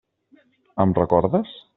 Em recordes?